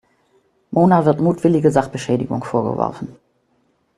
Mona wird mutwillige Sachbeschädigung vorgeworfen.